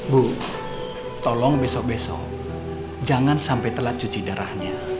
bu tolong besok besok jangan sampai telat cuci darahnya